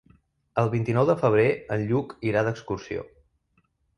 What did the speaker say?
El vint-i-nou de febrer en Lluc irà d'excursió.